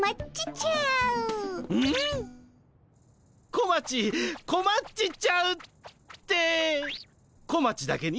「こまちこまっちちゃう」って小町だけに？